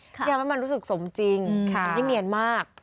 ที่ทำให้มันรู้สึกสมจริงยิ่งเนียนมาก